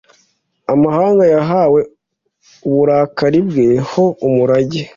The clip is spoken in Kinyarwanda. amahanga yahawe uburakari bwe ho umurage,